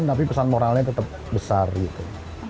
tapi pesan moralnya tetap besar gitu